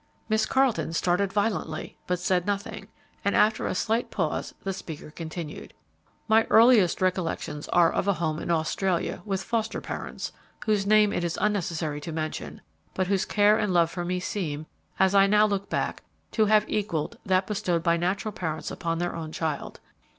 Miss Carleton started violently, but said nothing, and, after a slight pause, the speaker continued, "My earliest recollections are of a home in Australia, with foster parents, whose name it is unnecessary to mention, but whose care and love for me seem, as I now look back, to have equalled that bestowed by natural parents upon their own child.